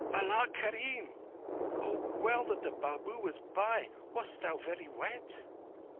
"Allah kerim! Oh, well that the Babu was by! Wast thou very wet?"